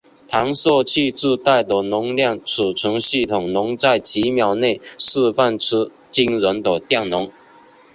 弹射器自带的能量存储系统能在几秒内释放出惊人的电能。